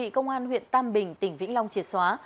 bị công an huyện tam bình tỉnh vĩnh long triệt xóa